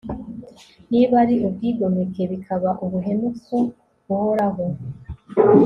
niba ari ubwigomeke, bikaba ubuhemu ku uhoraho